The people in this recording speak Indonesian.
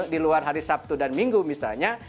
diluar hari sabtu dan minggu misalnya